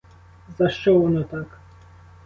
За що воно так?